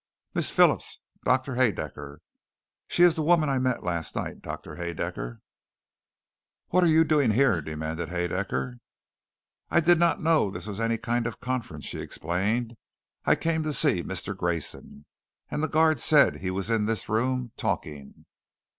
"Miss Phillips, Doctor Haedaecker. She is the woman I met last night, Doctor Haedaecker." "What are you doing here?" demanded Haedaecker. "I did not know this was any kind of conference," she explained. "I came to see Mister Grayson, and the guard said he was in this room, talking."